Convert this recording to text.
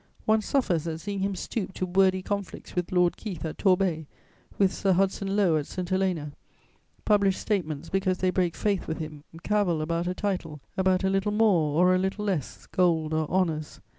One suffers at seeing him stoop to wordy conflicts with Lord Keith at Torbay, with Sir Hudson Lowe at St. Helena, publish statements because they break faith with him, cavil about a title, about a little more, or a little less, gold or honours.